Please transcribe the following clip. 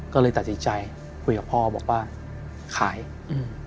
ก็เลยตัดสินใจคุยกับพ่อบอกว่าขายอืม